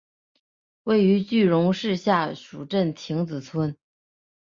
位于句容市下蜀镇亭子村。